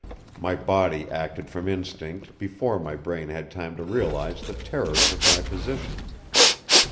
My body acted from instinct, before my brain had time to realize the terrors of my position.